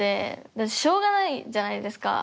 しょうがないじゃないですか。